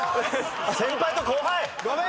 先輩と後輩！